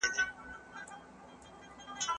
زه به د سوالونو جواب ورکړی وي،